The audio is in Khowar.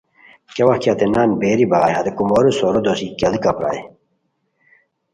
کیاوت کی ہتے نان بیلی بغائے ہتے کومورو سورو دوسی کیڑیکا پرائے